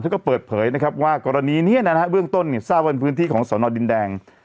ก็เปิดเผยนะครับว่ากรณีนี้นะฮะเบื้องต้นเนี่ยทราบว่าพื้นที่ของสนดินแดง